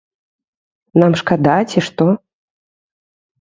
Нам шкада ці што?